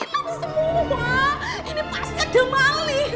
wah ini pasti ada maling